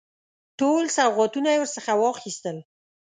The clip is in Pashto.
ټول سوغاتونه یې ورڅخه واخیستل.